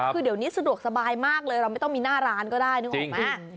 คือเดี๋ยวนี้สะดวกสบายมากเลยเราไม่ต้องมีหน้าร้านก็ได้นึกออกไหม